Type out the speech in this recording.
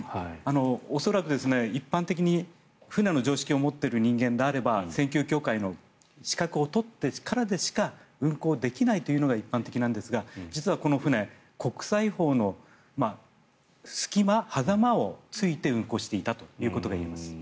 恐らく一般的に船の常識を持っている人間であれば船級協会の資格を取ってからでしか運航できないというのが一般的なんですが実はこの船国際法の隙間、狭間を突いて運航していたということが言えます。